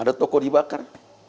ada toko dibakar